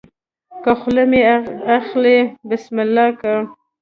که خوله مې اخلې بسم الله که